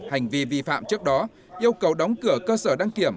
hành vi vi phạm trước đó yêu cầu đóng cửa cơ sở đăng kiểm